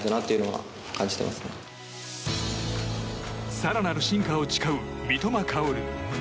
更なる進化を誓う三笘薫。